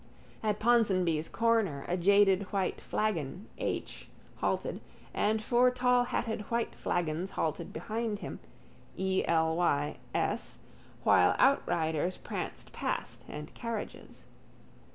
At Ponsonby's corner a jaded white flagon H. halted and four tallhatted white flagons halted behind him, E.L.Y.'S, while outriders pranced past and carriages.